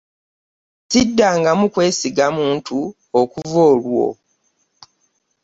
Ssiddangamu kwesiga muntu okuva olwo.